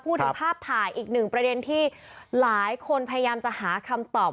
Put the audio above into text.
พูดถึงภาพถ่ายอีกหนึ่งประเด็นที่หลายคนพยายามจะหาคำตอบ